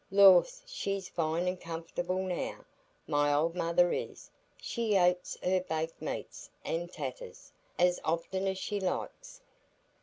Lors, she's fine an' comfor'ble now, my old mother is; she ates her baked meat an' taters as often as she likes.